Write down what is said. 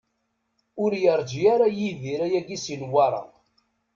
Ur yerǧi ara Yidir ayagi si Newwara.